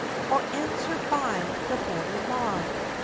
Or answer by the border law?